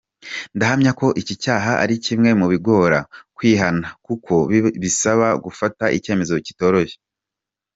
Ndahamya ko iki cyaha ari kimwe mu bigora kwihana kuko bisaba gufata icyemezo kitoroshye.